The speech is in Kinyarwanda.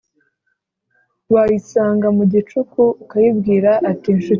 wayisanga mu gicuku, akayibwira ati: Nshuti yanjye, nzimanira imitsima itatu,